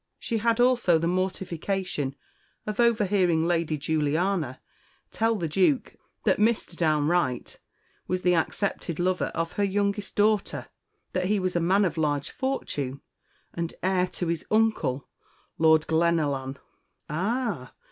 She had also the mortification of overhearing Lady Juliana tell the Duke that Mr. Downe Wright was the accepted lover of her youngest daughter, that he was a man of large fortune, and heir to his uncle, Lord Glenallan! "Ah!